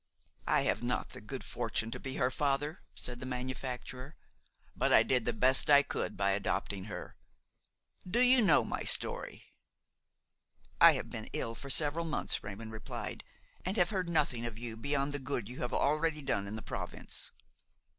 "I have not the good fortune to be her father," said the manufacturer; "but I did the best I could by adopting her. Do you not know my story?" "I have been ill for several months," Raymon replied, "and have heard nothing of you beyond the good you have already done in the province."